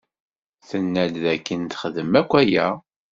Tenna-d dakken texdem akk aya.